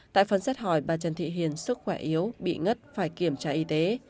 tại phần xét hỏi bà trần thị hiền sức khỏe yếu bị ngất phải kiểm tra y tế